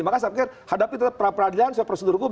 jadi saya berharap proses hukum